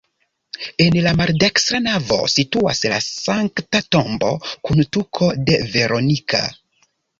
En la maldekstra navo situas la Sankta Tombo kun tuko de Veronika.